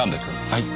はい。